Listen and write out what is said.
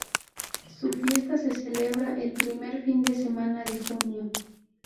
Su fiesta se celebra el primer fin de semana de junio.